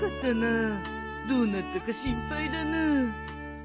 どうなったか心配だなあ。